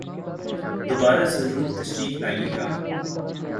دوبارہ ضرور تشریف لائیئے گا